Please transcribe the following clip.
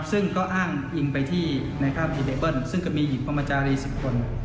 ซึ่งก็อ้างอิงไปที่ในคราวนี้เบเบิ้ลซึ่งก็มีหญิงพมจารย์สิบคน